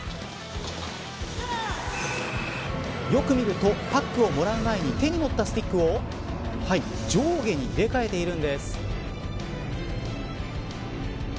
よく見るとパックをもらう前に手に持ったスティックを上下に入れ替えているんです。